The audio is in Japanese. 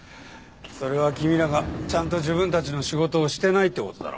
それは君らがちゃんと自分たちの仕事をしてないって事だろ。